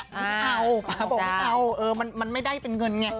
อ้าวป่าบอกว่าเออมันไม่ได้เป็นเงินไง